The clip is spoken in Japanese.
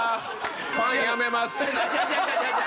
ファンやめます。